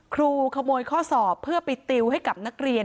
ครูขโมยข้อสอบเพื่อไปติวให้กับนักเรียน